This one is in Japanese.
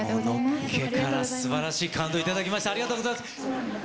のっけから、すばらしい感動をいただきました。